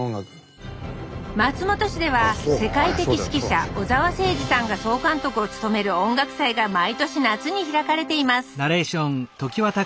松本市では世界的指揮者小澤征爾さんが総監督を務める音楽祭が毎年夏に開かれています